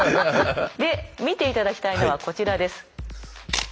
で見て頂きたいのはこちらです。